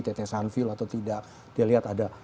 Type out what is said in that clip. tetesan fuel atau tidak dia lihat ada